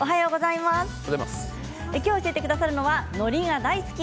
今日教えてくださるのはのりが大好き。